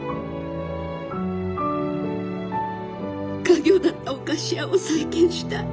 「家業だったお菓子屋を再建したい。